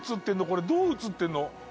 これどう写ってんの？